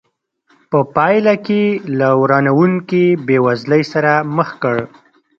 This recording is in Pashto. په پایله کې له ورانوونکې بېوزلۍ سره مخ کړ.